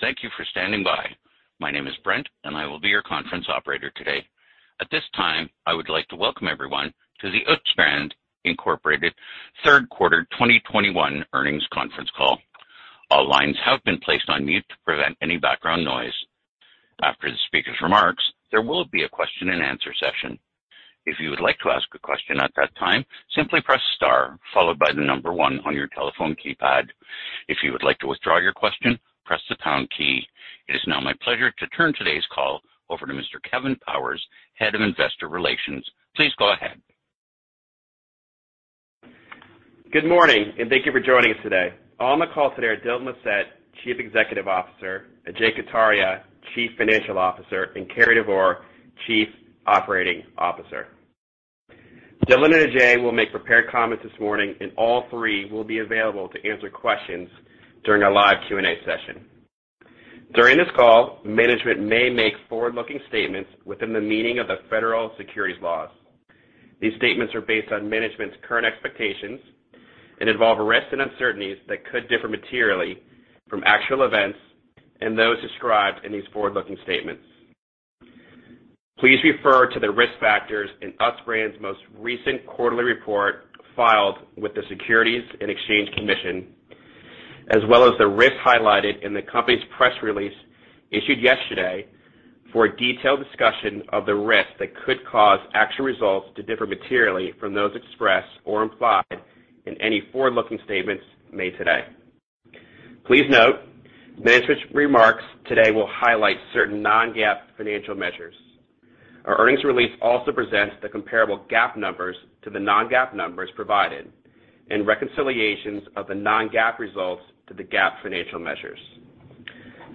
Thank you for standing by. My name is Brent, and I will be your conference operator today. At this time, I would like to welcome everyone to the Utz Brands, Inc. third quarter 2021 earnings conference call. All lines have been placed on mute to prevent any background noise. After the speaker's remarks, there will be a question-and-answer session. If you would like to ask a question at that time, simply press star followed by the number one on your telephone keypad. If you would like to withdraw your question, press the pound key. It is now my pleasure to turn today's call over to Mr. Kevin Powers, head of investor relations. Please go ahead. Good morning, and thank you for joining us today. On the call today are Dylan Lissette, Chief Executive Officer, Ajay Kataria, Chief Financial Officer, and Cary Devore, Chief Operating Officer. Dylan and Ajay will make prepared comments this morning, and all three will be available to answer questions during our live Q&A session. During this call, management may make forward-looking statements within the meaning of the Federal Securities laws. These statements are based on management's current expectations and involve risks and uncertainties that could differ materially from actual events and those described in these forward-looking statements. Please refer to the risk factors in Utz Brands most recent quarterly report filed with the Securities and Exchange Commission, as well as the risks highlighted in the company's press release issued yesterday for a detailed discussion of the risks that could cause actual results to differ materially from those expressed or implied in any forward-looking statements made today. Please note, management's remarks today will highlight certain non-GAAP financial measures. Our earnings release also presents the comparable GAAP numbers to the non-GAAP numbers provided and reconciliations of the non-GAAP results to the GAAP financial measures.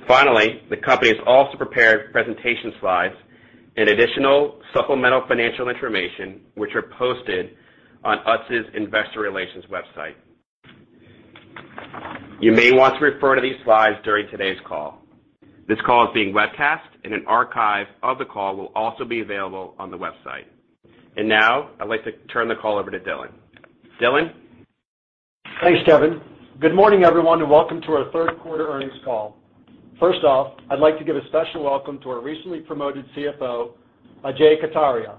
Finally, the company has also prepared presentation slides and additional supplemental financial information, which are posted on Utz's Investor Relations website. You may want to refer to these slides during today's call. This call is being webcast, and an archive of the call will also be available on the website. Now, I'd like to turn the call over to Dylan. Dylan. Thanks, Kevin. Good morning, everyone, and welcome to our third quarter earnings call. First off, I'd like to give a special welcome to our recently promoted CFO, Ajay Kataria.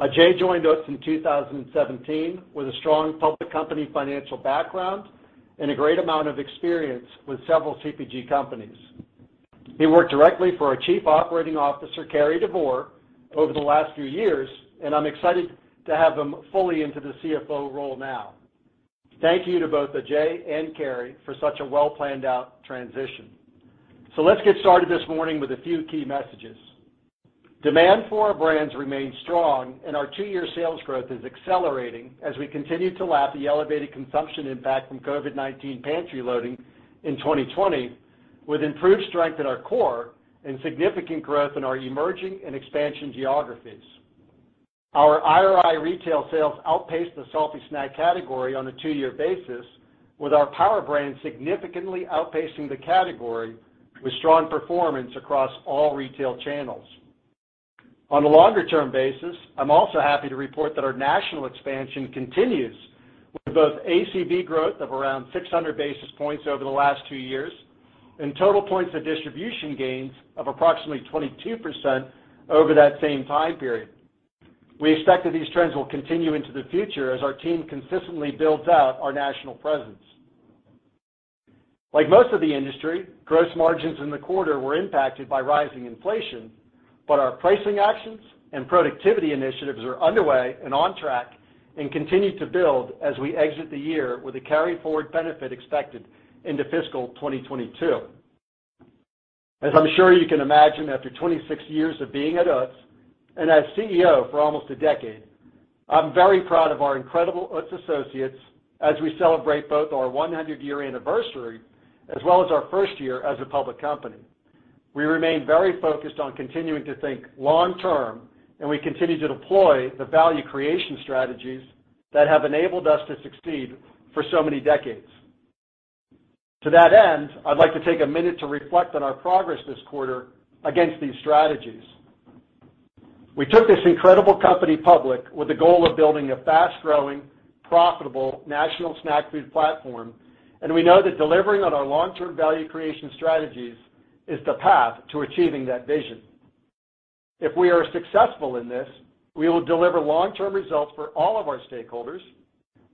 Ajay joined us in 2017 with a strong public company financial background and a great amount of experience with several CPG companies. He worked directly for our Chief Operating Officer, Cary Devore, over the last few years, and I'm excited to have him fully into the CFO role now. Thank you to both Ajay and Cary for such a well-planned-out transition. Let's get started this morning with a few key messages. Demand for our brands remains strong, and our two-year sales growth is accelerating as we continue to lap the elevated consumption impact from COVID-19 pantry loading in 2020, with improved strength in our core and significant growth in our emerging and expansion geographies. Our IRI retail sales outpaced the salty snack category on a two-year basis, with our Power Brands significantly outpacing the category with strong performance across all retail channels. On a longer-term basis, I'm also happy to report that our national expansion continues with both ACV growth of around 600 basis points over the last two years and total points of distribution gains of approximately 22% over that same time period. We expect that these trends will continue into the future as our team consistently builds out our national presence. Like most of the industry, gross margins in the quarter were impacted by rising inflation, but our pricing actions and productivity initiatives are underway and on track and continue to build as we exit the year with a carry forward benefit expected into fiscal 2022. As I'm sure you can imagine, after 26 years of being at Utz, and as CEO for almost a decade, I'm very proud of our incredible Utz associates as we celebrate both our 100-year anniversary as well as our first year as a public company. We remain very focused on continuing to think long term, and we continue to deploy the value creation strategies that have enabled us to succeed for so many decades. To that end, I'd like to take a minute to reflect on our progress this quarter against these strategies. We took this incredible company public with the goal of building a fast-growing, profitable national snack food platform, and we know that delivering on our long-term value creation strategies is the path to achieving that vision. If we are successful in this, we will deliver long-term results for all of our stakeholders,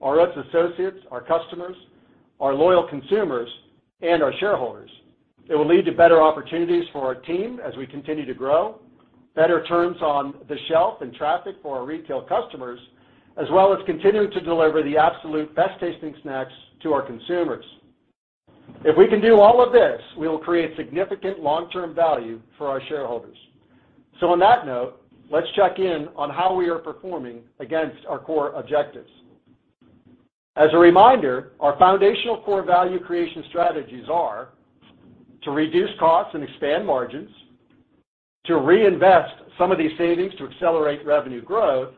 our Utz associates, our customers, our loyal consumers, and our shareholders. It will lead to better opportunities for our team as we continue to grow, better terms on the shelf and traffic for our retail customers, as well as continuing to deliver the absolute best tasting snacks to our consumers. If we can do all of this, we will create significant long-term value for our shareholders. On that note, let's check in on how we are performing against our core objectives. As a reminder, our foundational core value creation strategies are to reduce costs and expand margins, to reinvest some of these savings to accelerate revenue growth,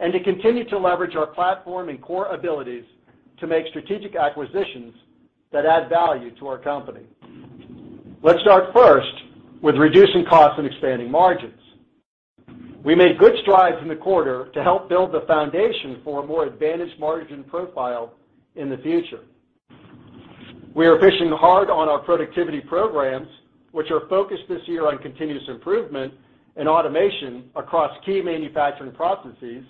and to continue to leverage our platform and core abilities to make strategic acquisitions that add value to our company. Let's start first with reducing costs and expanding margins. We made good strides in the quarter to help build the foundation for a more advantaged margin profile in the future. We are pushing hard on our productivity programs, which are focused this year on continuous improvement and automation across key manufacturing processes,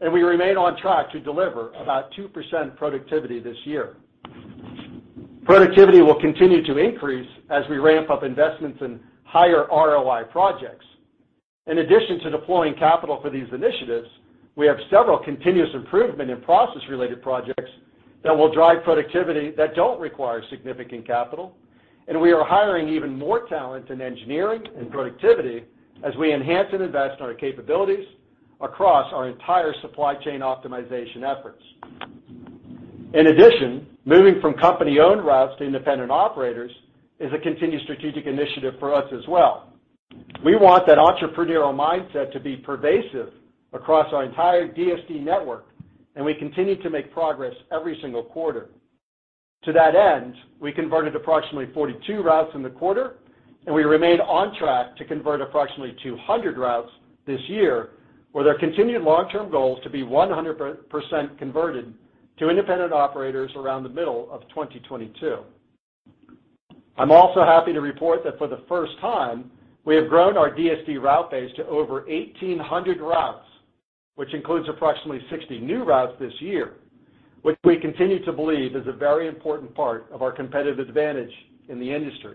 and we remain on track to deliver about 2% productivity this year. Productivity will continue to increase as we ramp up investments in higher ROI projects. In addition to deploying capital for these initiatives, we have several continuous improvement and process-related projects that will drive productivity that don't require significant capital, and we are hiring even more talent in engineering and productivity as we enhance and invest in our capabilities across our entire supply chain optimization efforts. In addition, moving from company-owned routes to independent operators is a continued strategic initiative for us as well. We want that entrepreneurial mindset to be pervasive across our entire DSD network, and we continue to make progress every single quarter. To that end, we converted approximately 42 routes in the quarter, and we remain on track to convert approximately 200 routes this year, with our continued long-term goal is to be 100% converted to independent operators around the middle of 2022. I'm also happy to report that for the first time, we have grown our DSD route base to over 1,800 routes, which includes approximately 60 new routes this year, which we continue to believe is a very important part of our competitive advantage in the industry.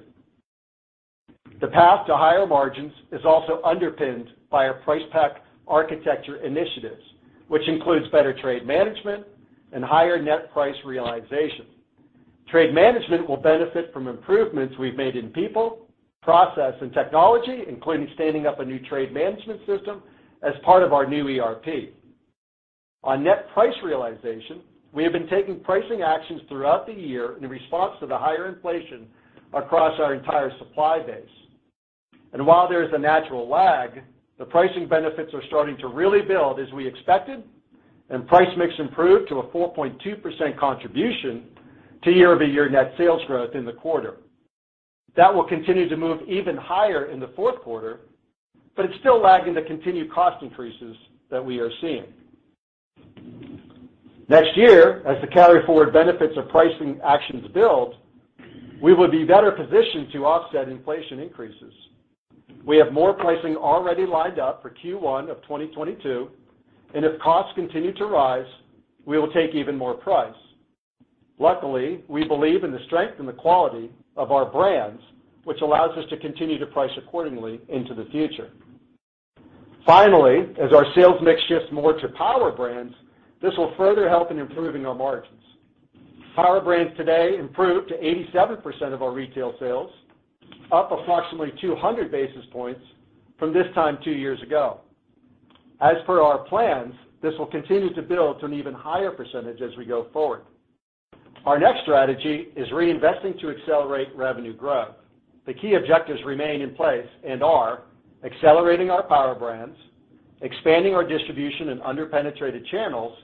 The path to higher margins is also underpinned by our price pack architecture initiatives, which includes better trade management and higher net price realization. Trade management will benefit from improvements we've made in people, process, and technology, including standing up a new trade management system as part of our new ERP. On net price realization, we have been taking pricing actions throughout the year in response to the higher inflation across our entire supply base. While there is a natural lag, the pricing benefits are starting to really build as we expected, and price mix improved to a 4.2% contribution to year-over-year net sales growth in the quarter. That will continue to move even higher in the fourth quarter, but it's still lagging the continued cost increases that we are seeing. Next year, as the carry forward benefits of pricing actions build, we will be better positioned to offset inflation increases. We have more pricing already lined up for Q1 of 2022, and if costs continue to rise, we will take even more price. Luckily, we believe in the strength and the quality of our brands, which allows us to continue to price accordingly into the future. Finally, as our sales mix shifts more to Power Brands, this will further help in improving our margins. Power Brands today improved to 87% of our retail sales, up approximately 200 basis points from this time two years ago. As per our plans, this will continue to build to an even higher percentage as we go forward. Our next strategy is reinvesting to accelerate revenue growth. The key objectives remain in place and are accelerating our Power Brands, expanding our distribution in under-penetrated channels,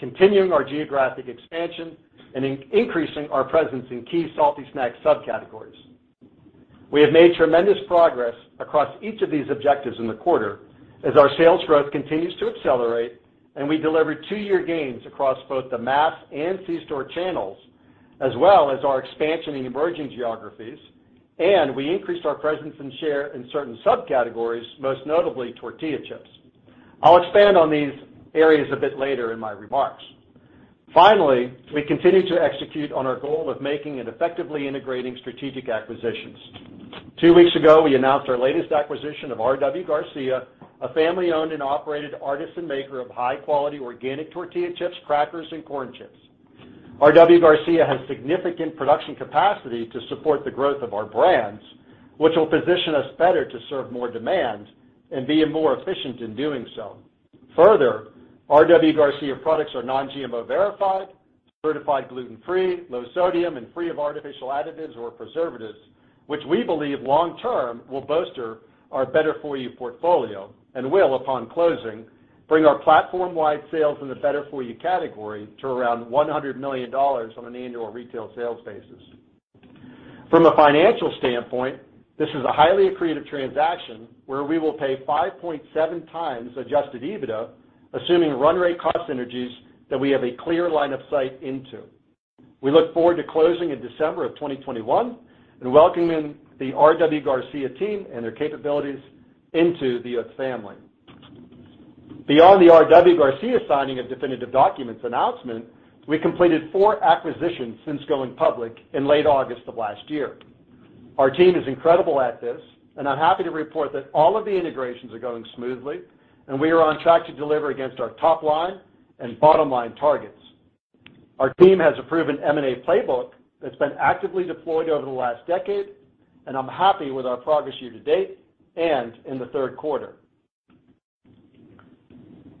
continuing our geographic expansion, and increasing our presence in key salty snack subcategories. We have made tremendous progress across each of these objectives in the quarter as our sales growth continues to accelerate and we delivered two-year gains across both the mass and C-store channels, as well as our expansion in emerging geographies, and we increased our presence and share in certain subcategories, most notably tortilla chips. I'll expand on these areas a bit later in my remarks. Finally, we continue to execute on our goal of making and effectively integrating strategic acquisitions. Two weeks ago, we announced our latest acquisition of R.W. Garcia, a family-owned and operated artisan maker of high-quality organic tortilla chips, crackers, and corn chips. R.W. Garcia has significant production capacity to support the growth of our brands, which will position us better to serve more demand and be more efficient in doing so. Further, R.W. Garcia products are non-GMO verified, certified gluten-free, low sodium, and free of artificial additives or preservatives, which we believe long term will bolster our Better For You portfolio and will, upon closing, bring our platform-wide sales in the Better For You category to around $100 million on an annual retail sales basis. From a financial standpoint, this is a highly accretive transaction where we will pay 5.7x adjusted EBITDA, assuming run rate cost synergies that we have a clear line of sight into. We look forward to closing in December 2021 and welcoming the R.W. Garcia team and their capabilities into the Utz family. Beyond the R.W. Garcia signing of definitive documents announcement, we completed four acquisitions since going public in late August of last year. Our team is incredible at this, and I'm happy to report that all of the integrations are going smoothly, and we are on track to deliver against our top line and bottom line targets. Our team has a proven M&A playbook that's been actively deployed over the last decade, and I'm happy with our progress year to date and in the third quarter.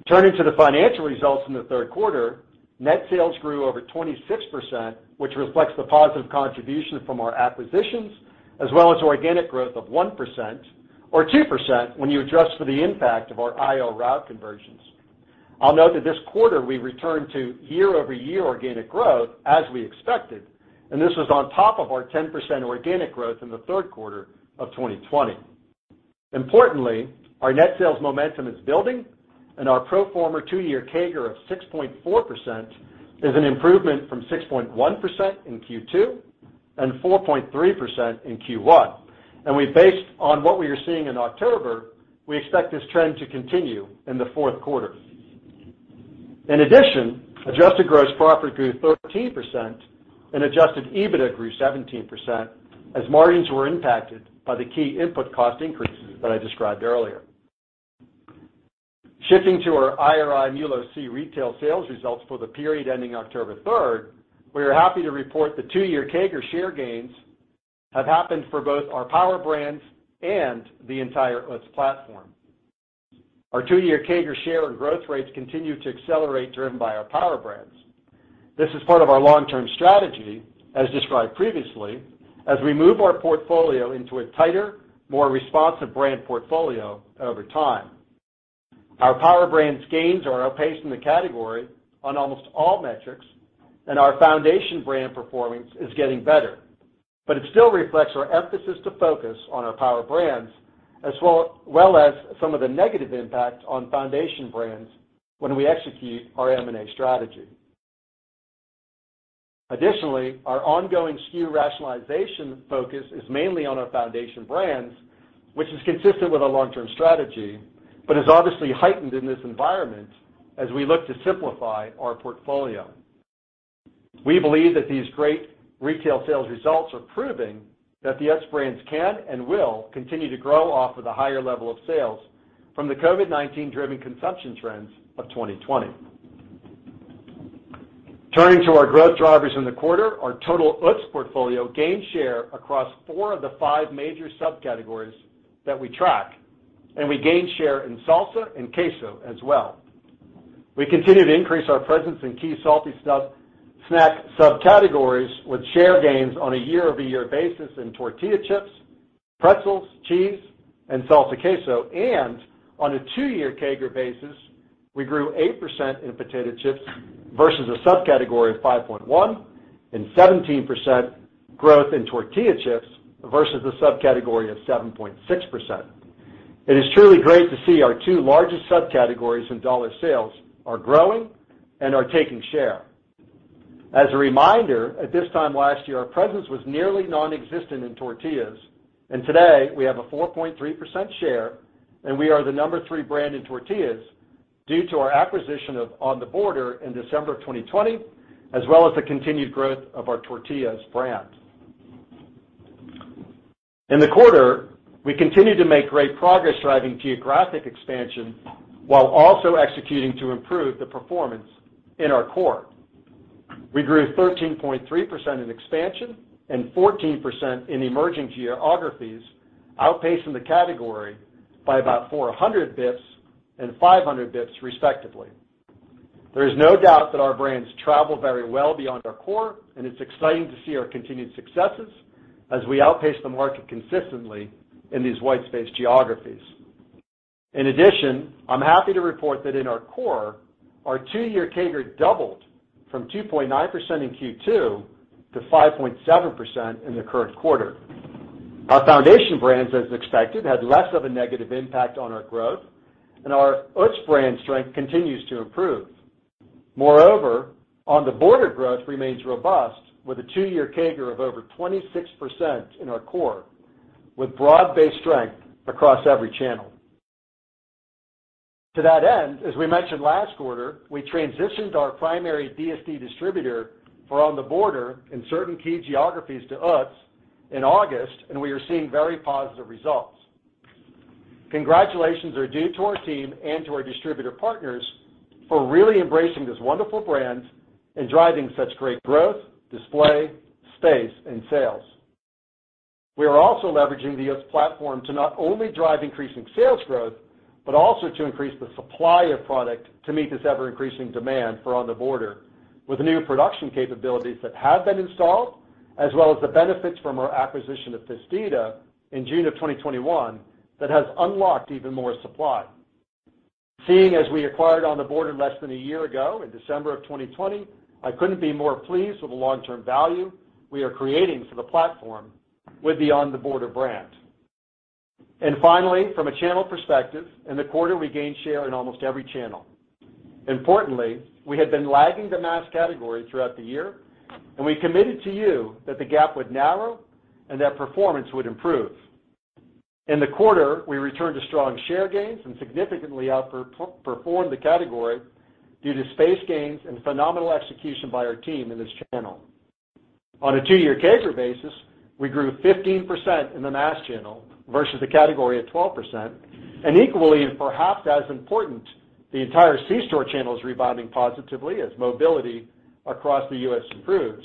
Turning to the financial results in the third quarter, net sales grew over 26%, which reflects the positive contribution from our acquisitions, as well as organic growth of 1% or 2% when you adjust for the impact of our IO route conversions. I'll note that this quarter, we returned to year-over-year organic growth as we expected, and this was on top of our 10% organic growth in the third quarter of 2020. Importantly, our net sales momentum is building and our pro forma two-year CAGR of 6.4% is an improvement from 6.1% in Q2 and 4.3% in Q1. Based on what we are seeing in October, we expect this trend to continue in the fourth quarter. In addition, adjusted gross profit grew 13% and adjusted EBITDA grew 17% as margins were impacted by the key input cost increases that I described earlier. Shifting to our IRI MULO+C retail sales results for the period ending October 3rd, we are happy to report the two-year CAGR share gains have happened for both our Power Brands and the entire Utz platform. Our two-year CAGR share and growth rates continue to accelerate, driven by our Power Brands. This is part of our long-term strategy, as described previously, as we move our portfolio into a tighter, more responsive brand portfolio over time. Our Power Brands gains are outpacing the category on almost all metrics, and our Foundation Brands performance is getting better. It still reflects our emphasis to focus on our Power Brands as well as some of the negative impact on Foundation Brands when we execute our M&A strategy. Additionally, our ongoing SKU rationalization focus is mainly on our Foundation Brands, which is consistent with our long-term strategy, but is obviously heightened in this environment as we look to simplify our portfolio. We believe that these great retail sales results are proving that the Utz Brands can and will continue to grow off of the higher level of sales from the COVID-19 driven consumption trends of 2020. Turning to our growth drivers in the quarter, our total Utz portfolio gained share across four of the five major subcategories that we track, and we gained share in salsa and queso as well. We continue to increase our presence in key salty snack subcategories with share gains on a year-over-year basis in tortilla chips, pretzels, cheese, and salsa queso. On a two-year CAGR basis, we grew 8% in potato chips versus a subcategory of 5.1%, and 17% growth in tortilla chips versus a subcategory of 7.6%. It is truly great to see our two largest subcategories in dollar sales are growing and are taking share. As a reminder, at this time last year, our presence was nearly nonexistent in tortillas, and today, we have a 4.3% share, and we are the number three brand in tortillas due to our acquisition of On The Border in December of 2020, as well as the continued growth of our tortillas brand. In the quarter, we continued to make great progress driving geographic expansion while also executing to improve the performance in our core. We grew 13.3% in expansion and 14% in emerging geographies, outpacing the category by about 400 basis points and 500 basis points, respectively. There is no doubt that our brands travel very well beyond our core, and it's exciting to see our continued successes as we outpace the market consistently in these white space geographies. In addition, I'm happy to report that in our core, our two-year CAGR doubled from 2.9% in Q2 to 5.7% in the current quarter. Our Foundation Brands, as expected, had less of a negative impact on our growth, and our Utz brand strength continues to improve. Moreover, On The Border growth remains robust with a two-year CAGR of over 26% in our core, with broad-based strength across every channel. To that end, as we mentioned last quarter, we transitioned our primary DSD distributor for On The Border in certain key geographies to Utz in August, and we are seeing very positive results. Congratulations are due to our team and to our distributor partners for really embracing this wonderful brand and driving such great growth, display, space, and sales. We are also leveraging the Utz platform to not only drive increasing sales growth, but also to increase the supply of product to meet this ever-increasing demand for On The Border with new production capabilities that have been installed, as well as the benefits from our acquisition of Festida in June 2021 that has unlocked even more supply. Seeing as we acquired On The Border less than a year ago in December 2020, I couldn't be more pleased with the long-term value we are creating for the platform with the On The Border brand. Finally, from a channel perspective, in the quarter, we gained share in almost every channel. Importantly, we had been lagging the mass category throughout the year, and we committed to you that the gap would narrow and that performance would improve. In the quarter, we returned to strong share gains and significantly outperformed the category due to space gains and phenomenal execution by our team in this channel. On a two-year CAGR basis, we grew 15% in the mass channel versus a category of 12%. Equally, and perhaps as important, the entire C-store channel is rebounding positively as mobility across the U.S. improves.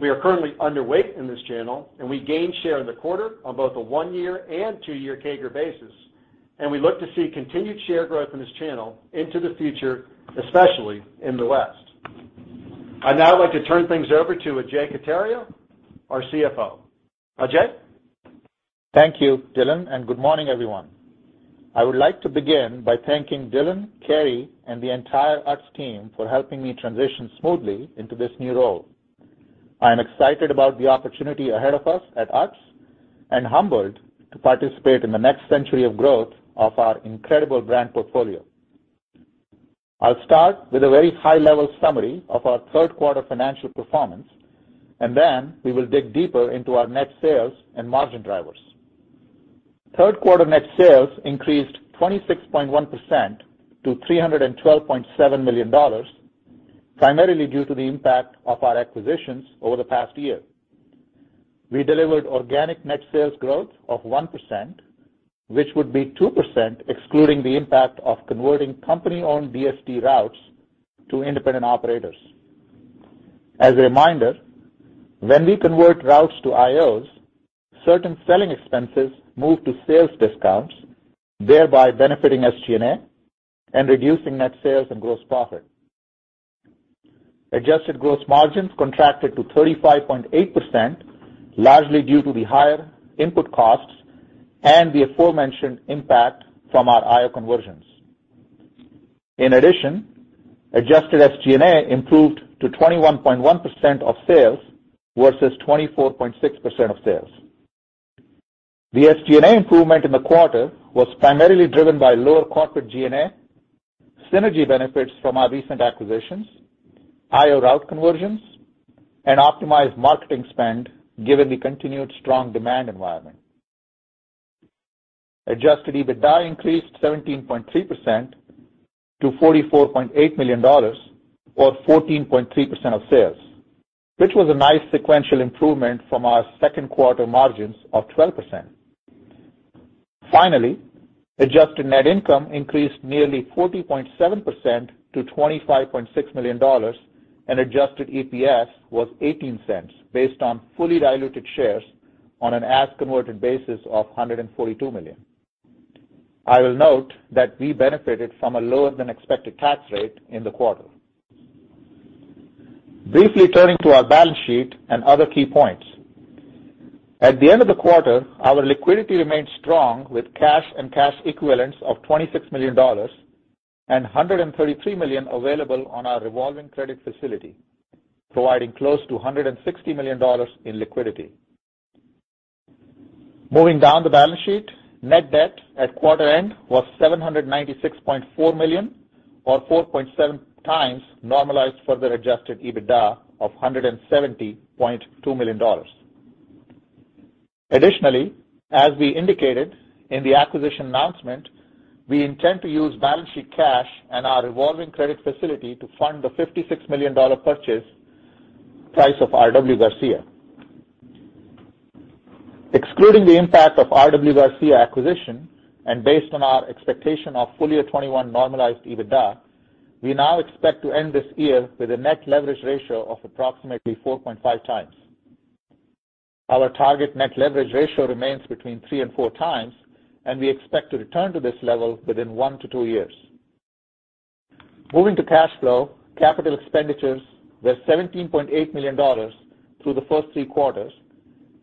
We are currently underweight in this channel, and we gained share in the quarter on both a one-year and two-year CAGR basis, and we look to see continued share growth in this channel into the future, especially in the West. I'd now like to turn things over to Ajay Kataria, our CFO. Ajay? Thank you, Dylan, and good morning, everyone. I would like to begin by thanking Dylan, Cary, and the entire Utz team for helping me transition smoothly into this new role. I am excited about the opportunity ahead of us at Utz and humbled to participate in the next century of growth of our incredible brand portfolio. I'll start with a very high-level summary of our third quarter financial performance, and then we will dig deeper into our net sales and margin drivers. Third quarter net sales increased 26.1% to $312.7 million, primarily due to the impact of our acquisitions over the past year. We delivered organic net sales growth of 1%, which would be 2% excluding the impact of converting company-owned DSD routes to independent operators. As a reminder, when we convert routes to IOs, certain selling expenses move to sales discounts, thereby benefiting SG&A and reducing net sales and gross profit. Adjusted gross margins contracted to 35.8%, largely due to the higher input costs and the aforementioned impact from our IO conversions. In addition, adjusted SG&A improved to 21.1% of sales versus 24.6% of sales. The SG&A improvement in the quarter was primarily driven by lower corporate G&A, synergy benefits from our recent acquisitions, IO route conversions, and optimized marketing spend, given the continued strong demand environment. Adjusted EBITDA increased 17.3% to $44.8 million, or 14.3% of sales, which was a nice sequential improvement from our second quarter margins of 12%. Finally, adjusted net income increased nearly 40.7% to $25.6 million, and adjusted EPS was $0.18 based on fully diluted shares on an as converted basis of 142 million. I will note that we benefited from a lower than expected tax rate in the quarter. Briefly turning to our balance sheet and other key points. At the end of the quarter, our liquidity remained strong with cash and cash equivalents of $26 million and $133 million available on our revolving credit facility, providing close to $160 million in liquidity. Moving down the balance sheet, net debt at quarter end was $796.4 million, or 4.7x normalized further adjusted EBITDA of $170.2 million. Additionally, as we indicated in the acquisition announcement, we intend to use balance sheet cash and our revolving credit facility to fund the $56 million purchase price of R.W. Garcia. Excluding the impact of R.W. Garcia acquisition and based on our expectation of full year 2021 normalized EBITDA, we now expect to end this year with a net leverage ratio of approximately 4.5x. Our target net leverage ratio remains between 3x and 4x, and we expect to return to this level within one-two years. Moving to cash flow, capital expenditures were $17.8 million through the first three quarters,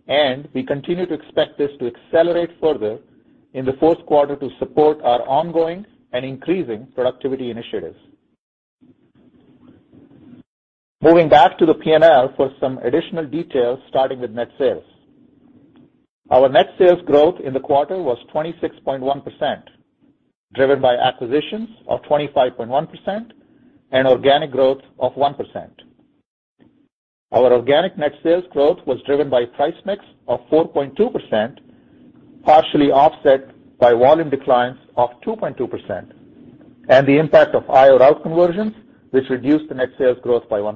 and we continue to expect this to accelerate further in the fourth quarter to support our ongoing and increasing productivity initiatives. Moving back to the P&L for some additional details, starting with net sales. Our net sales growth in the quarter was 26.1%, driven by acquisitions of 25.1% and organic growth of 1%. Our organic net sales growth was driven by price mix of 4.2%, partially offset by volume declines of 2.2% and the impact of IO route conversions, which reduced the net sales growth by 1%.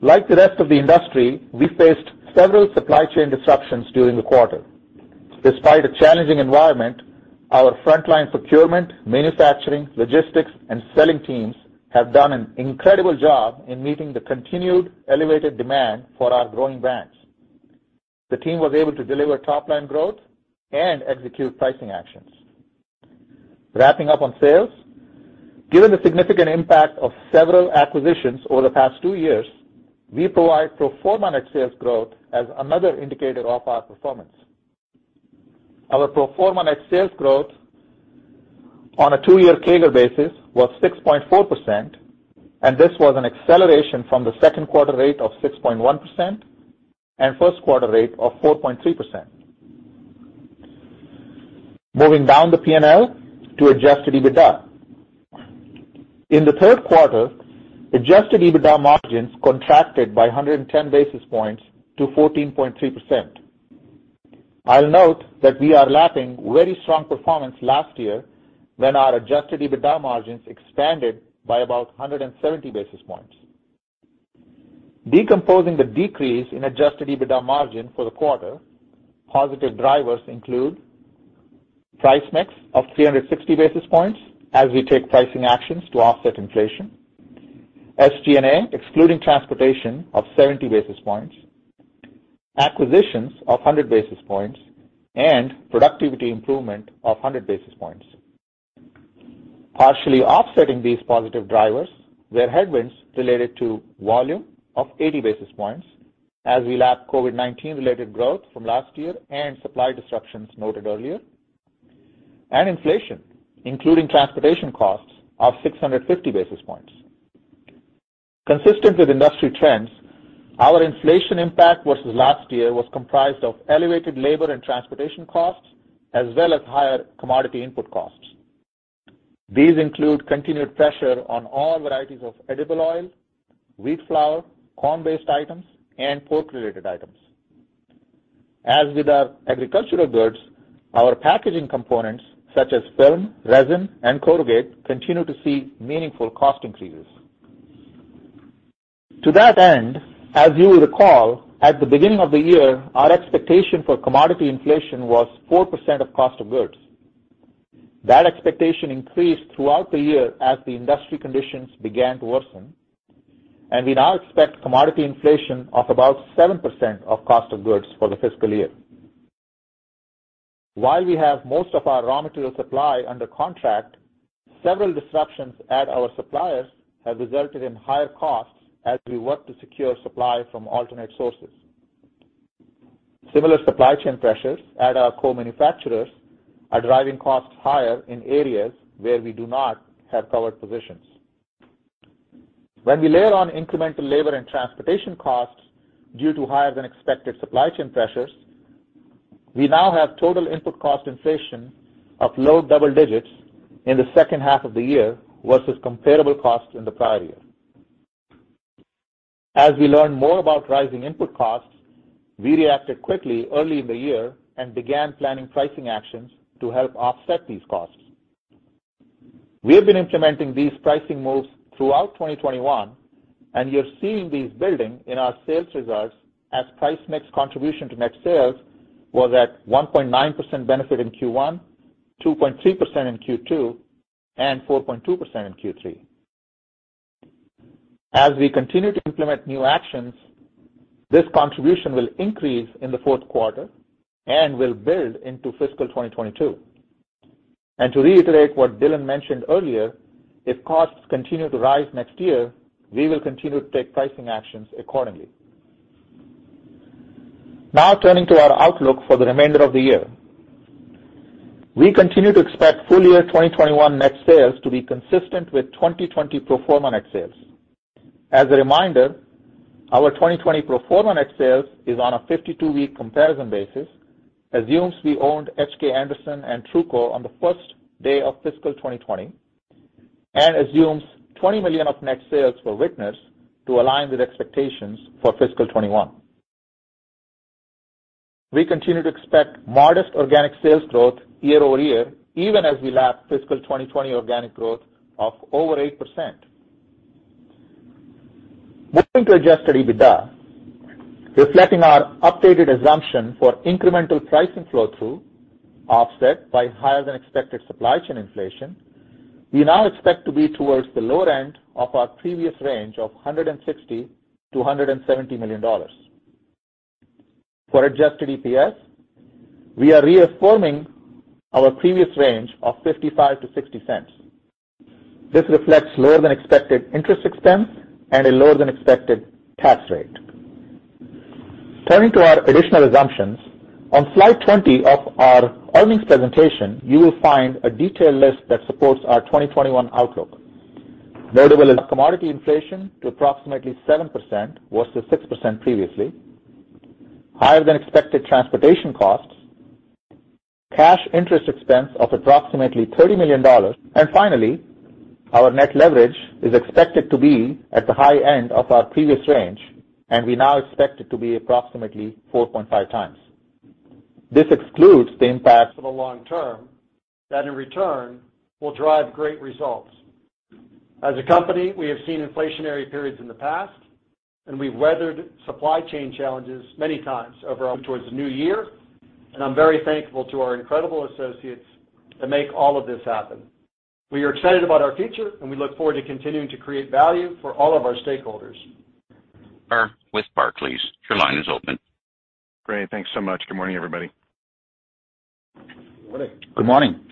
Like the rest of the industry, we faced several supply chain disruptions during the quarter. Despite a challenging environment, our frontline procurement, manufacturing, logistics, and selling teams have done an incredible job in meeting the continued elevated demand for our growing brands. The team was able to deliver top-line growth and execute pricing actions. Wrapping up on sales. Given the significant impact of several acquisitions over the past two years, we provide pro forma net sales growth as another indicator of our performance. Our pro forma net sales growth on a two-year CAGR basis was 6.4%, and this was an acceleration from the second quarter rate of 6.1% and first quarter rate of 4.3%. Moving down the P&L to adjusted EBITDA. In the third quarter, adjusted EBITDA margins contracted by 110 basis points to 14.3%. I'll note that we are lapping very strong performance last year when our adjusted EBITDA margins expanded by about 170 basis points. Decomposing the decrease in adjusted EBITDA margin for the quarter, positive drivers include price mix of 360 basis points as we take pricing actions to offset inflation, SG&A excluding transportation of 70 basis points, acquisitions of 100 basis points and productivity improvement of 100 basis points. Partially offsetting these positive drivers were headwinds related to volume of 80 basis points as we lap COVID-19 related growth from last year and supply disruptions noted earlier, and inflation, including transportation costs of 650 basis points. Consistent with industry trends, our inflation impact versus last year was comprised of elevated labor and transportation costs as well as higher commodity input costs. These include continued pressure on all varieties of edible oil, wheat flour, corn-based items, and pork-related items. As with our agricultural goods, our packaging components such as film, resin, and corrugate continue to see meaningful cost increases. To that end, as you will recall, at the beginning of the year, our expectation for commodity inflation was 4% of cost of goods. That expectation increased throughout the year as the industry conditions began to worsen, and we now expect commodity inflation of about 7% of cost of goods for the fiscal year. While we have most of our raw material supply under contract, several disruptions at our suppliers have resulted in higher costs as we work to secure supply from alternate sources. Similar supply chain pressures at our co-manufacturers are driving costs higher in areas where we do not have covered positions. When we layer on incremental labor and transportation costs due to higher than expected supply chain pressures, we now have total input cost inflation of low double digits in the second half of the year versus comparable costs in the prior year. As we learn more about rising input costs, we reacted quickly early in the year and began planning pricing actions to help offset these costs. We have been implementing these pricing moves throughout 2021, and you're seeing these building in our sales results as price mix contribution to net sales was at 1.9% benefit in Q1, 2.3% in Q2, and 4.2% in Q3. As we continue to implement new actions, this contribution will increase in the fourth quarter and will build into fiscal 2022. To reiterate what Dylan mentioned earlier, if costs continue to rise next year, we will continue to take pricing actions accordingly. Now turning to our outlook for the remainder of the year. We continue to expect full year 2021 net sales to be consistent with 2020 pro forma net sales. As a reminder, our 2020 pro forma net sales is on a 52-week comparison basis, assumes we owned H.K. Anderson and Truco on the first day of fiscal 2020, and assumes $20 million of net sales for Vitner's to align with expectations for fiscal 2021. We continue to expect modest organic sales growth year over year, even as we lap fiscal 2020 organic growth of over 8%. Moving to adjusted EBITDA, reflecting our updated assumption for incremental pricing flow through, offset by higher than expected supply chain inflation, we now expect to be towards the lower end of our previous range of $160 million-$170 million. For adjusted EPS, we are reaffirming our previous range of $0.55-$0.60. This reflects lower than expected interest expense and a lower than expected tax rate. Turning to our additional assumptions, on slide 20 of our earnings presentation, you will find a detailed list that supports our 2021 outlook. Notable is commodity inflation to approximately 7% versus 6% previously, higher than expected transportation costs, cash interest expense of approximately $30 million. Finally, our net leverage is expected to be at the high end of our previous range, and we now expect it to be approximately 4.5x. This excludes the impact- -for the long term that in return will drive great results. As a company, we have seen inflationary periods in the past, and we've weathered supply chain challenges many times towards the new year, and I'm very thankful to our incredible associates that make all of this happen. We are excited about our future, and we look forward to continuing to create value for all of our stakeholders. -with Barclays. Your line is open. Great. Thanks so much. Good morning, everybody. Good morning. Good morning.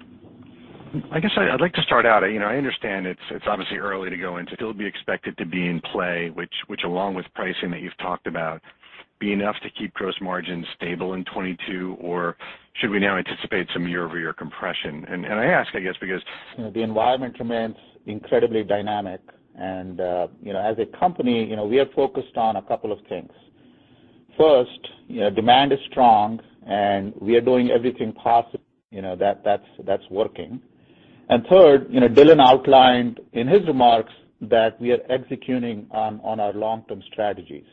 I guess I'd like to start out, you know, I understand it's obviously early to go into, it'll be expected to be in play, which along with pricing that you've talked about, be enough to keep gross margins stable in 2022? Or should we now anticipate some year-over-year compression? I ask, I guess, because- You know, the environment remains incredibly dynamic and, you know, as a company, you know, we are focused on a couple of things. First, you know, demand is strong, and we are doing everything possible, you know, that's working. Third, you know, Dylan outlined in his remarks that we are executing on our long-term strategies.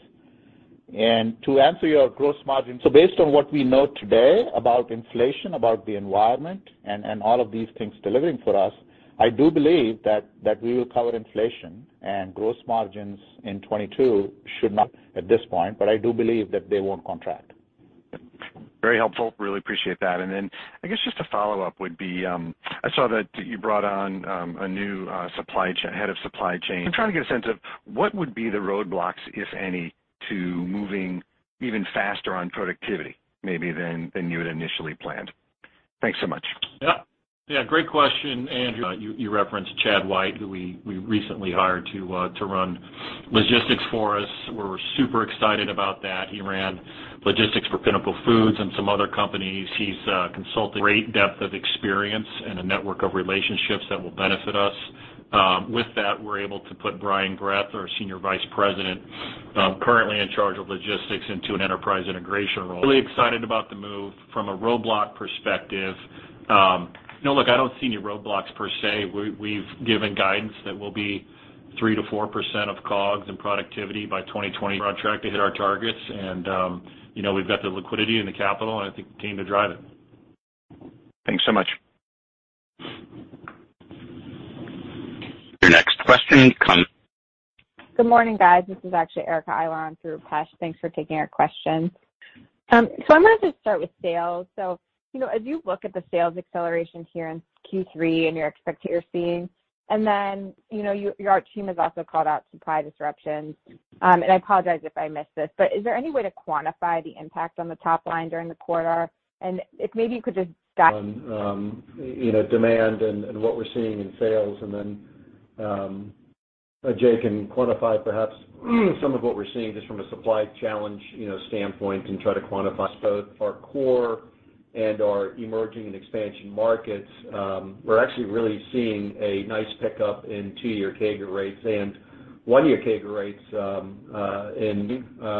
To answer your gross margin. So based on what we know today about inflation, about the environment, and all of these things delivering for us, I do believe that we will cover inflation and gross margins in 2022 should not at this point, but I do believe that they won't contract. Very helpful. Really appreciate that. I guess just a follow-up would be, I saw that you brought on a new supply chain head of supply chain. I'm trying to get a sense of what would be the roadblocks, if any, to moving even faster on productivity maybe than you had initially planned. Thanks so much. Yeah. Yeah, great question, Andrew. You referenced Chad Whyte, who we recently hired to run logistics for us. We're super excited about that. He ran logistics for Pinnacle Foods and some other companies. He's a consultant, great depth of experience and a network of relationships that will benefit us. With that, we're able to put Brian Greth, our Senior Vice President, currently in charge of logistics into an enterprise integration role. Really excited about the move. From a roadblock perspective, look, I don't see any roadblocks per se. We've given guidance that we'll be 3%-4% of COGS and productivity by 2020. We're on track to hit our targets. We've got the liquidity and the capital and I think the team to drive it. Thanks so much. Your next question comes- Good morning, guys. This is actually Erica Eiler on through Rupesh. Thanks for taking our questions. I wanted to start with sales. You know, as you look at the sales acceleration here in Q3 and you're seeing, and then you know your team has also called out supply disruptions. I apologize if I missed this, but is there any way to quantify the impact on the top line during the quarter? If maybe you could just- -you know, demand and what we're seeing in sales and then Ajay Kataria can quantify perhaps some of what we're seeing just from a supply challenge, you know, standpoint and try to quantify. Both our core and our emerging and expansion markets, we're actually really seeing a nice pickup in two-year CAGR rates and one-year CAGR rates,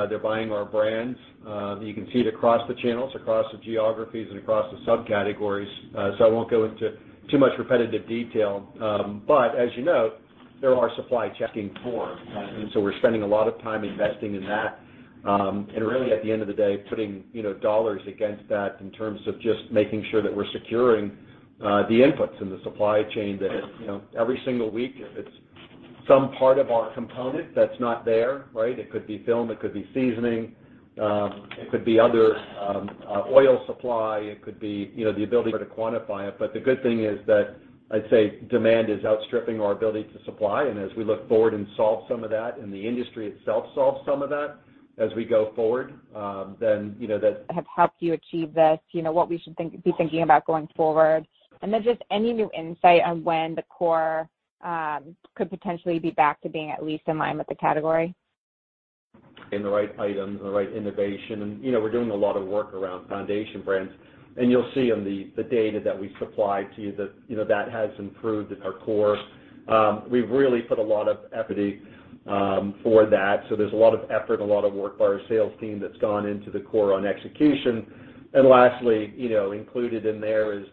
they're buying our brands. You can see it across the channels, across the geographies and across the subcategories. I won't go into too much repetitive detail. As you note, there are supply chain challenges. We're spending a lot of time investing in that, and really at the end of the day, putting, you know, dollars against that in terms of just making sure that we're securing the inputs in the supply chain that, you know, every single week it's some part of our component that's not there, right? It could be film, it could be seasoning, it could be other oil supply, it could be, you know, the ability to quantify it. But the good thing is that I'd say demand is outstripping our ability to supply. As we look forward and solve some of that and the industry itself solves some of that as we go forward, then, you know, that- -have helped you achieve this, you know, what we should be thinking about going forward. Then just any new insight on when the core could potentially be back to being at least in line with the category. -in the right items, the right innovation. You know, we're doing a lot of work around Foundation Brands. You'll see on the data that we supply to you that, you know, that has improved in our core. We've really put a lot of equity for that. There's a lot of effort, a lot of work by our sales team that's gone into the core on execution. Lastly, you know, included in there is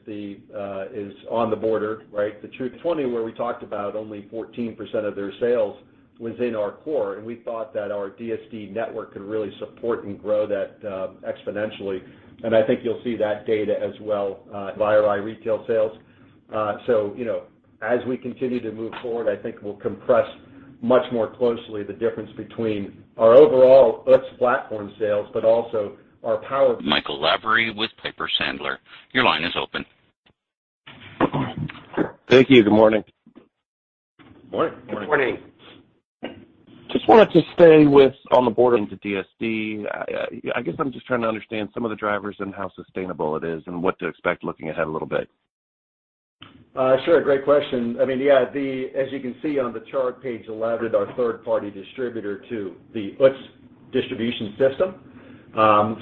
On The Border, right? The Truco, 2020, where we talked about only 14% of their sales was in our core, and we thought that our DSD network could really support and grow that exponentially. I think you'll see that data as well via our retail sales. You know, as we continue to move forward, I think we'll compress much more closely the difference between our overall Utz platform sales, but also our power- -Michael Lavery with Piper Sandler. Your line is open. Thank you. Good morning. Good morning. Good morning. Just wanted to stay with On The Border into DSD. I guess I'm just trying to understand some of the drivers and how sustainable it is and what to expect looking ahead a little bit. Sure. Great question. I mean, yeah, as you can see on the chart page 11, our third-party distributor to the Utz distribution system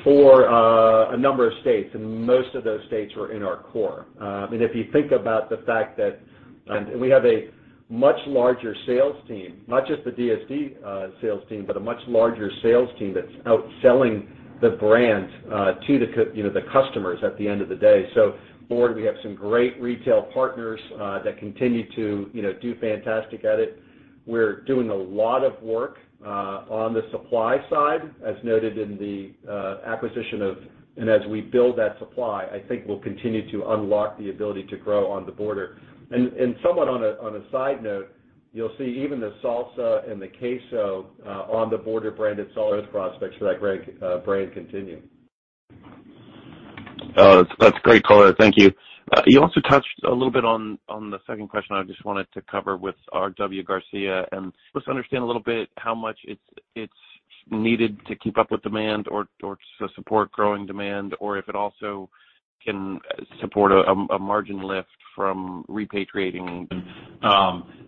for a number of states, and most of those states were in our core. If you think about the fact that we have a much larger sales team, not just the DSD sales team, but a much larger sales team that's out selling the brands to you know, the customers at the end of the day. So broadly, we have some great retail partners that continue to you know, do fantastic at it. We're doing a lot of work on the supply side, as noted in the acquisition of... As we build that supply, I think we'll continue to unlock the ability to grow On The Border. Somewhat on a side note, you'll see even the salsa and the queso, On The Border branded sales prospects for that great brand continue. Oh, that's great color. Thank you. You also touched a little bit on the second question I just wanted to cover with R.W. Garcia and just understand a little bit how much it's needed to keep up with demand or to support growing demand, or if it also can support a margin lift from repatriating-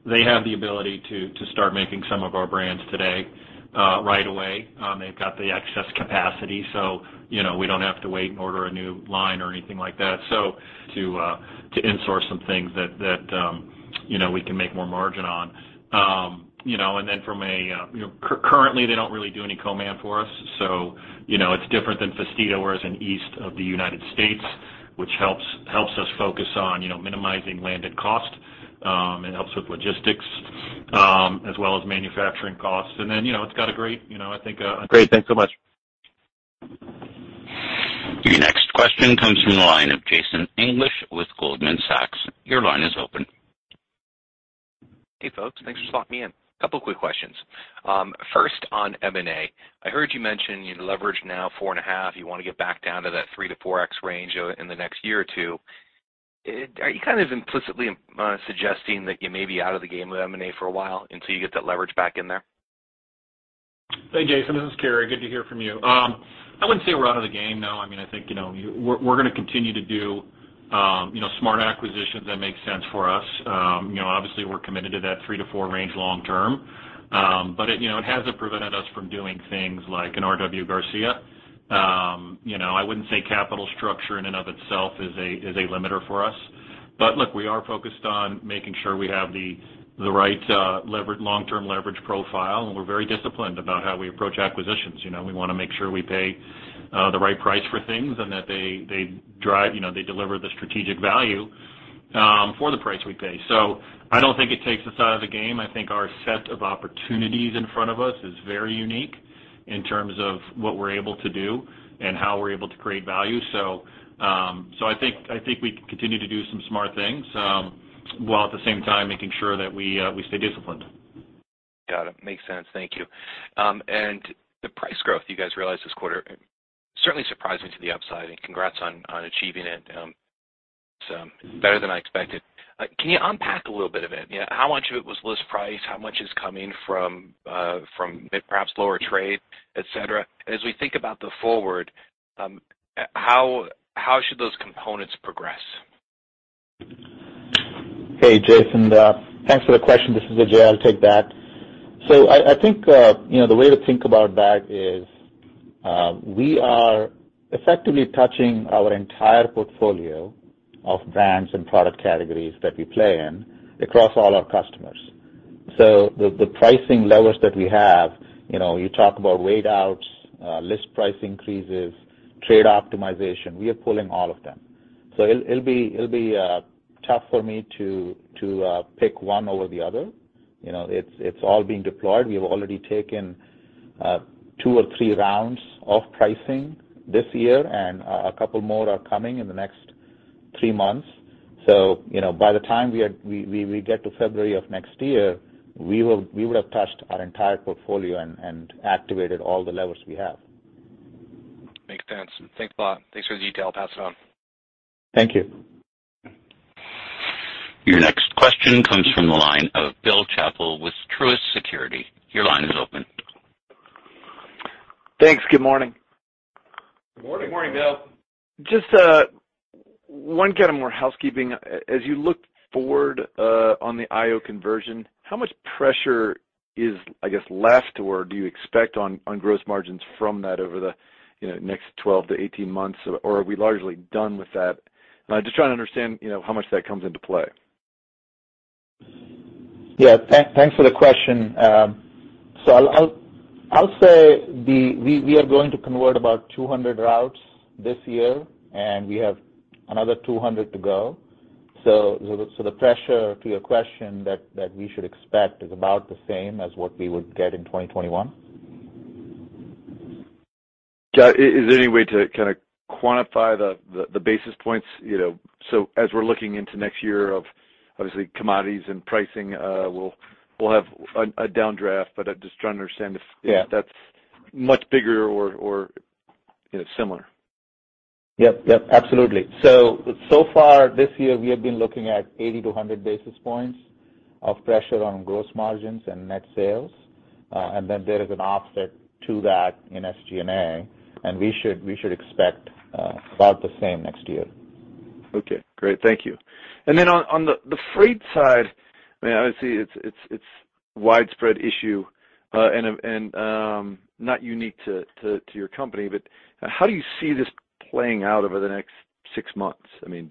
They have the ability to start making some of our brands today, right away. They've got the excess capacity, so you know, we don't have to wait and order a new line or anything like that. To insource some things that you know, we can make more margin on. You know, and then from a you know, currently, they don't really do any co-man for us. You know, it's different than Festida, whereas in East of the United States, which helps us focus on you know, minimizing landed cost and helps with logistics as well as manufacturing costs. You know, it's got a great you know, I think- Great. Thanks so much. Your next question comes from the line of Jason English with Goldman Sachs. Your line is open. Hey, folks. Thanks for slotting me in. A couple quick questions. First on M&A. I heard you mention your leverage now 4.5x, you wanna get back down to that 3x-4x range in the next year or two. Are you kind of implicitly suggesting that you may be out of the game with M&A for a while until you get that leverage back in there? Hey, Jason, this is Cary. Good to hear from you. I wouldn't say we're out of the game, no. I mean, I think, you know, we're gonna continue to do, you know, smart acquisitions that make sense for us. You know, obviously we're committed to that 3x-4x range long term. But it, you know, it hasn't prevented us from doing things like an R.W. Garcia. You know, I wouldn't say capital structure in and of itself is a limiter for us. But look, we are focused on making sure we have the right long-term leverage profile, and we're very disciplined about how we approach acquisitions. You know, we wanna make sure we pay the right price for things and that they drive you know, they deliver the strategic value for the price we pay. I don't think it takes us out of the game. I think our set of opportunities in front of us is very unique in terms of what we're able to do and how we're able to create value. I think we can continue to do some smart things, while at the same time making sure that we stay disciplined. Got it. Makes sense. Thank you. The price growth you guys realized this quarter certainly surprising to the upside, and congrats on achieving it. It's better than I expected. Can you unpack a little bit of it? Yeah, how much of it was list price? How much is coming from from perhaps lower trade, et cetera? As we think about the forward, how should those components progress? Hey, Jason, thanks for the question. This is Ajay. I'll take that. So I think, you know, the way to think about that is, we are effectively touching our entire portfolio of brands and product categories that we play in across all our customers. So the pricing levers that we have, you know, you talk about weight outs, list price increases, trade optimization, we are pulling all of them. So it'll be tough for me to pick one over the other. You know, it's all being deployed. We have already taken two or three rounds of pricing this year, and a couple more are coming in the next three months. You know, by the time we get to February of next year, we would have touched our entire portfolio and activated all the levers we have. Makes sense. Thanks a lot. Thanks for the detail. I'll pass it on. Thank you. Your next question comes from the line of Bill Chappell with Truist Securities. Your line is open. Thanks. Good morning. Good morning. Good morning, Bill. Just one kind of more housekeeping. As you look forward on the IO conversion, how much pressure is, I guess, left or do you expect on gross margins from that over the, you know, next 12-18 months? Or are we largely done with that? I'm just trying to understand, you know, how much that comes into play. Thanks for the question. I'll say we are going to convert about 200 routes this year, and we have another 200 to go. The pressure to your question that we should expect is about the same as what we would get in 2021. Got it. Is there any way to kinda quantify the basis points, you know? As we're looking into next year of obviously commodities and pricing, we'll have a downdraft, but I'm just trying to understand if- Yeah. -that's much bigger or, you know, similar. Yep, absolutely. So far this year, we have been looking at 80-100 basis points of pressure on gross margins and net sales, and then there is an offset to that in SG&A, and we should expect about the same next year. Okay, great. Thank you. On the freight side, I mean, obviously it's a widespread issue and not unique to your company, but how do you see this playing out over the next six months? I mean,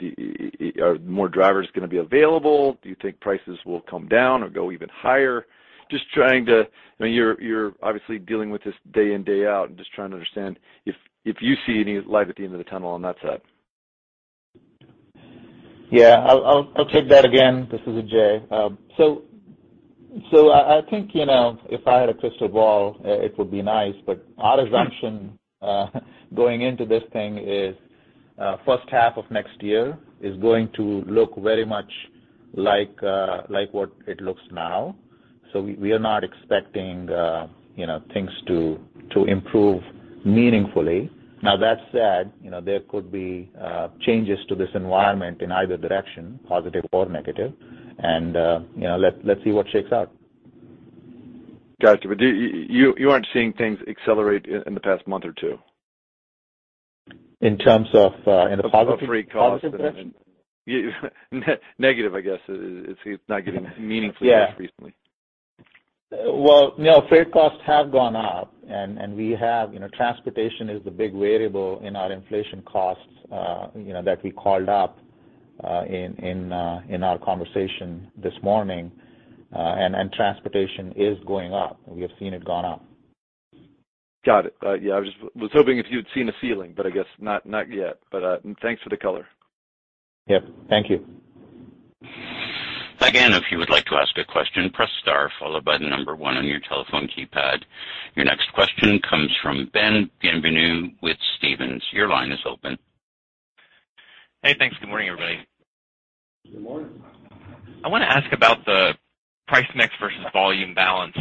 are more drivers gonna be available? Do you think prices will come down or go even higher? Just trying to- I mean, you're obviously dealing with this day in, day out and just trying to understand if you see any light at the end of the tunnel on that side. Yeah. I'll take that again. This is Ajay. I think, you know, if I had a crystal ball, it would be nice, but our assumption going into this thing is, first half of next year is going to look very much like what it looks now. We are not expecting, you know, things to improve meaningfully. Now, that said, you know, there could be changes to this environment in either direction, positive or negative. You know, let's see what shakes out. Got you. Do you aren't seeing things accelerate in the past month or two? In terms of, in a positive- Of freight costs and- Positive direction? Yeah. Negative, I guess. It seems not getting meaningfully recently. Yeah. Well, no, freight costs have gone up. You know, transportation is the big variable in our inflation costs, you know, that we called out in our conversation this morning. Transportation is going up. We have seen it go up. Got it. Yeah, I just was hoping if you'd seen a ceiling, but I guess not yet. Thanks for the color. Yep. Thank you. Again, if you would like to ask a question, press star followed by the number one on your telephone keypad. Your next question comes from Ben Bienvenu with Stephens. Your line is open. Hey, thanks. Good morning, everybody. Good morning. I wanna ask about the price mix versus volume balance.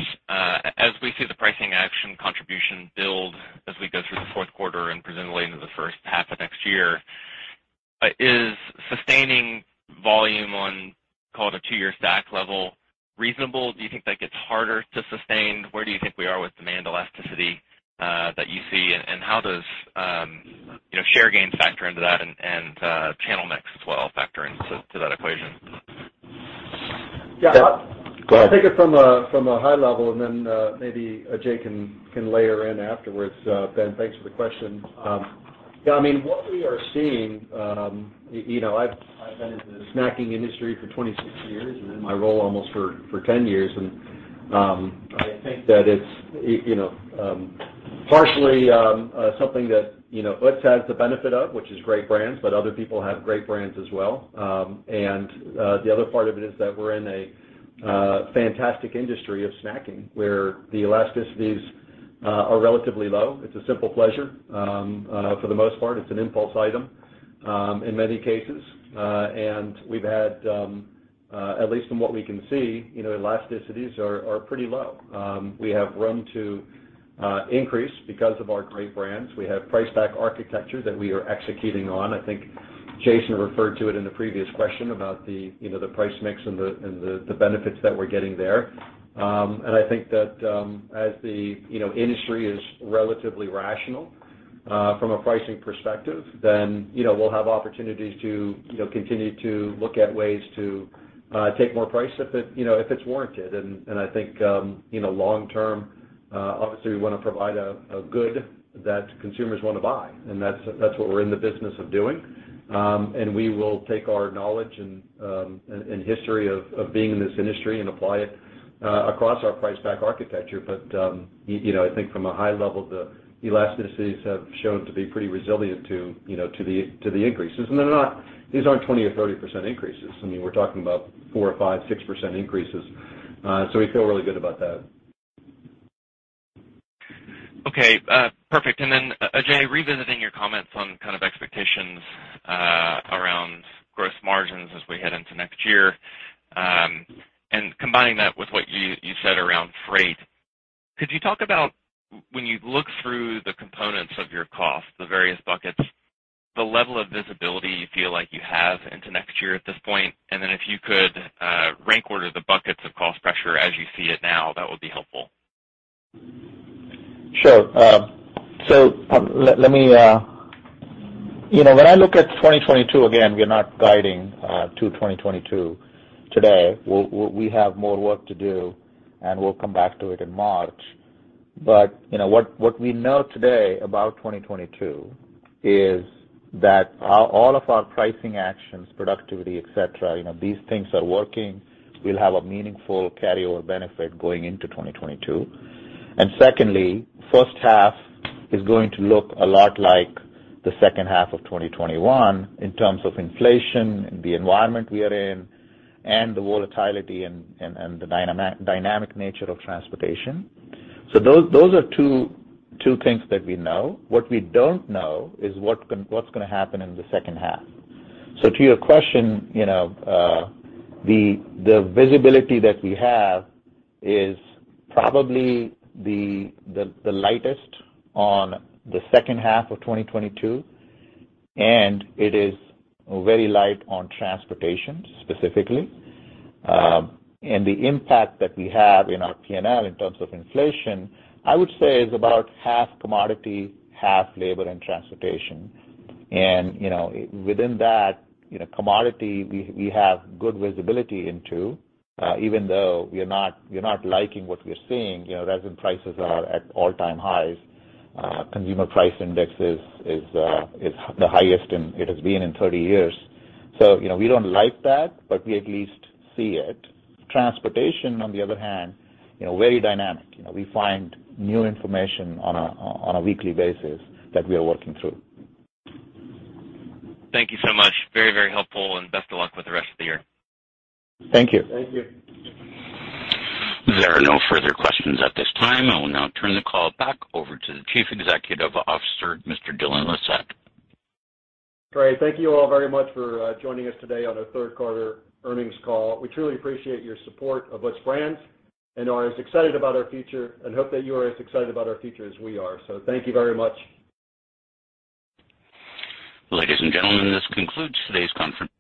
As we see the pricing action contribution build as we go through the fourth quarter and presumably into the first half of next year, is sustaining volume on, call it a two-year stack level reasonable? Do you think that gets harder to sustain? Where do you think we are with demand elasticity that you see? And how does, you know, share gains factor into that and channel mix as well factor into that equation? Yeah. Go ahead. I'll take it from a high level, and then maybe Ajay can layer in afterwards. Ben, thanks for the question. Yeah, I mean, what we are seeing, you know, I've been in the snacking industry for 26 years and in my role almost for 10 years, and I think that it's, you know, partially something that, you know, Utz has the benefit of, which is great brands, but other people have great brands as well. The other part of it is that we're in a fantastic industry of snacking, where the elasticities are relatively low. It's a simple pleasure. For the most part, it's an impulse item in many cases. We've had at least from what we can see, you know, elasticities are pretty low. We have room to increase because of our great brands. We have price pack architecture that we are executing on. I think Jason referred to it in the previous question about the, you know, the price mix and the benefits that we're getting there. I think that, you know, as the industry is relatively rational from a pricing perspective, then we'll have opportunities to continue to look at ways to take more price if it's warranted. I think, you know, long term, obviously we wanna provide a good that consumers wanna buy, and that's what we're in the business of doing. We will take our knowledge and history of being in this industry and apply it across our price pack architecture. You know, I think from a high level, the elasticities have shown to be pretty resilient to the increases. These aren't 20% or 30% increases. I mean, we're talking about 4% or 5%, 6% increases. We feel really good about that. Okay. Perfect. Ajay, revisiting your comments on kind of expectations around gross margins as we head into next year, and combining that with what you said around freight, could you talk about when you look through the components of your cost, the various buckets, the level of visibility you feel like you have into next year at this point? If you could, rank order the buckets of cost pressure as you see it now, that would be helpful. Sure. So let me- you know, when I look at 2022, again, we're not guiding to 2022 today. We have more work to do, and we'll come back to it in March. You know, what we know today about 2022 is that all of our pricing actions, productivity, et cetera, you know, these things are working. We'll have a meaningful carryover benefit going into 2022. Secondly, first half is going to look a lot like the second half of 2021 in terms of inflation and the environment we are in and the volatility and the dynamic nature of transportation. Those are two things that we know. What we don't know is what's gonna happen in the second half. To your question, you know, the visibility that we have is probably the lightest on the second half of 2022, and it is very light on transportation specifically. The impact that we have in our P&L in terms of inflation, I would say is about half commodity, half labor and transportation. You know, within that, you know, commodity, we have good visibility into even though we're not liking what we're seeing. You know, resin prices are at all-time highs. Consumer Price Index is the highest and it has been in 30 years. You know, we don't like that, but we at least see it. Transportation on the other hand, you know, very dynamic. You know, we find new information on a weekly basis that we are working through. Thank you so much. Very, very helpful and best of luck with the rest of the year. Thank you. Thank you. There are no further questions at this time. I will now turn the call back over to the Chief Executive Officer, Mr. Dylan Lissette. Great. Thank you all very much for joining us today on our third quarter earnings call. We truly appreciate your support of Utz Brands and are as excited about our future and hope that you are as excited about our future as we are. Thank you very much. Ladies and gentlemen, this concludes today's conference.